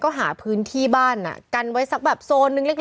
ก็หาพื้นที่บ้านกันไว้สักแบบโซนนึงเล็ก